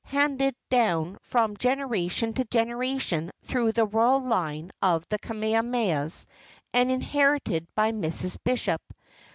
handed down from generation to generation through the royal line of the Kamehamehas and inherited by Mrs. Bishop.